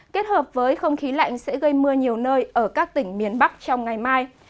kết hợp với không khí lạnh sẽ gây mưa nhiều nơi ở các tỉnh miền bắc trong ngày mai